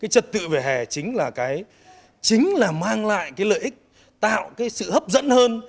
trật tự vỉa hè chính là mang lại lợi ích tạo sự hấp dẫn hơn